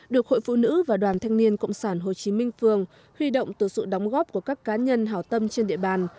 được hội phụ nữ và đoàn thanh niên cộng sản hồ chí minh phường huy động từ sự đóng góp của các cá nhân hảo tâm trên địa bàn